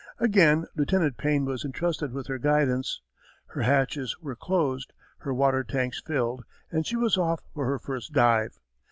Again Lieutenant Payne was entrusted with her guidance. Her hatches were closed, her water tanks filled, and she was off for her first dive.